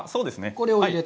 これを入れて。